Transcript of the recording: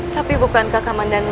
tapi bukankah kaman danu